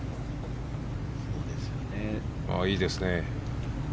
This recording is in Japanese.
いいですね。